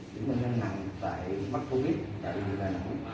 những bệnh nhân nặng tại mắc covid tại bệnh viện đà nẵng